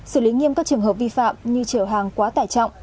xử lý nghiêm các trường hợp vi phạm như chở hàng quá tải trọng